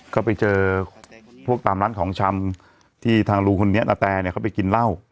ก็ไปเจอพวกตามร้านของชำที่ทางลุงคนนี้นาแตเนี่ยเขาไปกินเหล้า